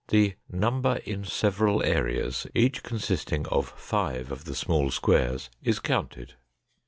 The "number in several areas, each consisting of five of the small squares, is counted."